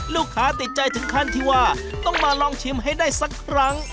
ลูกค้าติดใจถึงขั้นที่ว่าต้องมาลองชิมให้ได้สักครั้ง